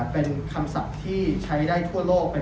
เป็นคำศัพท์ที่ใช้ได้ทั่วโลก